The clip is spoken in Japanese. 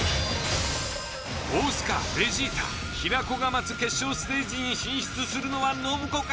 大須賀ベジータ平子が待つ決勝ステージに進出するのは信子か？